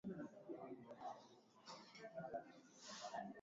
Namna yakukabiliana na ugonjwa wa kichaa wanyama wapewe chanjo